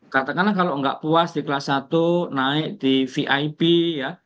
katakanlah kalau nggak puas di kelas satu naik di vip ya